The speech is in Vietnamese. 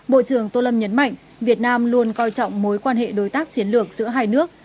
bộ trưởng tô lâm nhấn mạnh việt nam luôn coi trọng mối quan hệ đối tác chiến lược giữa hai nước